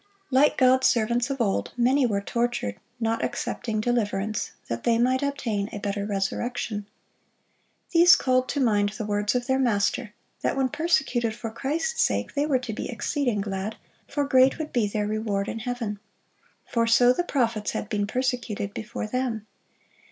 Like God's servants of old, many were "tortured, not accepting deliverance; that they might obtain a better resurrection."(61) These called to mind the words of their Master, that when persecuted for Christ's sake, they were to be exceeding glad, for great would be their reward in heaven; for so the prophets had been persecuted before them.